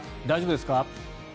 大丈夫ですか？